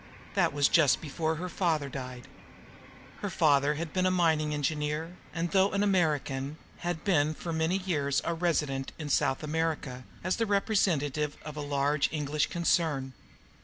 That was just before her father had died. Her father had been a mining engineer, and, though an American, had been for many years resident in South America as the representative of a large English concern.